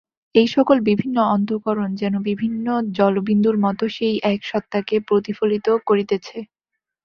এই-সকল বিভিন্ন অন্তঃকরণ যেন বিভিন্ন জলবিন্দুর মত সেই এক সত্তাকে প্রতিফলিত করিতেছে।